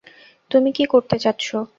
তুমি কী করতে চাচ্ছ?